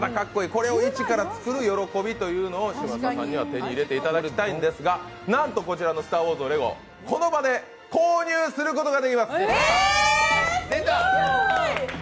これを一から作る喜びを嶋佐さんには手に入れていただきたいんですけど、なんとこちらの「スター・ウォーズ」のレゴ、この場で購入することができます。